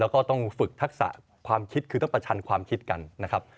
แล้วก็ต้องฝึกทักษะความคิดคือต้องประชันความคิดกันนะครับ